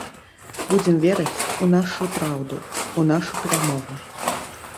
Будзем верыць у нашу праўду, у нашу перамогу.